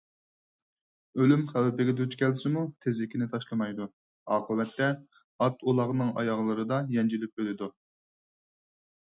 ئۆلۈم خەۋپىگە دۇچ كەلسىمۇ تېزىكىنى تاشلىمايدۇ. ئاقىۋەتتە ئات - ئۇلاغنىڭ ئاياغلىرىدا يەنجىلىپ ئۆلىدۇ.